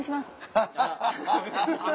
アハハハ！